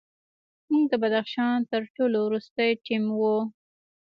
موږ د بدخشان تر ټولو وروستی ټیم وو.